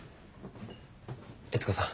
悦子さん。